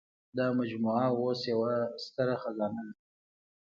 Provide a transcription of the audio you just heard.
دا مجموعه اوس یوه ستره خزانه ده.